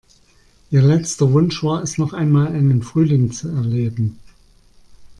Ihr letzter Wunsch war es, noch einmal einen Frühling zu erleben.